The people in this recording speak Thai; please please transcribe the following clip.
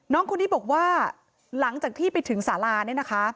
น้องคนนี้บอกว่าหลังจากที่ไปถึงสาราเนี่ยนะคะ